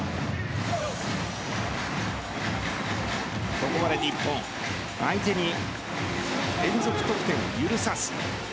ここまで日本相手に連続得点を許さず。